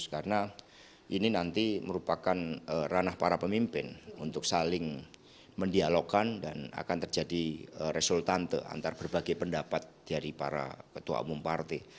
karena ini nanti merupakan ranah para pemimpin untuk saling mendialogkan dan akan terjadi resultante antara berbagai pendapat dari para ketua umum partai